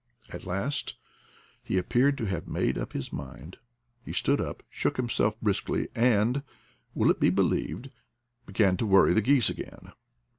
At last he appeared to have made up his mind; he stood up, shook himself briskly and — will it be believed! — began to worry the geese again!